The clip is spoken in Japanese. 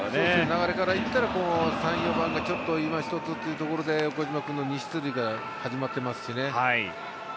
流れから言ったら３番、４番がちょっといま一つというところで岡島君の２出塁が始まっていますしね。